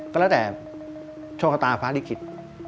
ก็แล้วแต่โชคชะตาฟ้าลิขิต